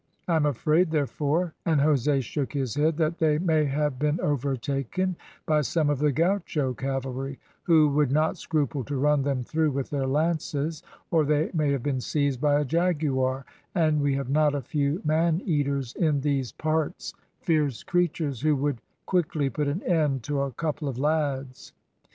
I am afraid, therefore," and Jose shook his head, "that they may have been overtaken by some of the gaucho cavalry, who would not scruple to run them through with their lances, or they may have been seized by a jaguar, and we have not a few man eaters in these parts, fierce creatures, who would quickly put an end to a couple of lads.